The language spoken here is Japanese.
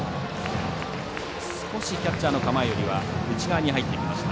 少しキャッチャーの構えよりは内側に入ってきました。